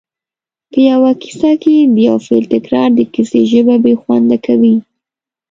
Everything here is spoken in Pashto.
په یوه کیسه کې د یو فعل تکرار د کیسې ژبه بې خونده کوي